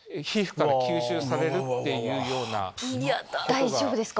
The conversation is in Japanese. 大丈夫ですか？